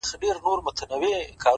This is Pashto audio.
مثبت ذهن د امکاناتو په لټه وي؛